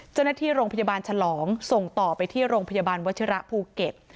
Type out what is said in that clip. เจ้าหน้าที่โรงพยาบาลฉลองส่งต่อไปที่โรงพยาบาลวัชิระภูเก็ต